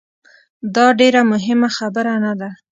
داډیره مهمه خبره نه ده